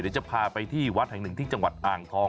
เดี๋ยวจะพาไปที่วัดแห่งหนึ่งที่จังหวัดอ่างทอง